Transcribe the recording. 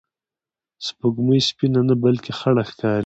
سپوږمۍ سپینه نه، بلکې خړه ښکاري